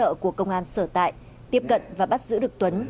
tổ công tác của công an sở tại tiếp cận và bắt giữ được tuấn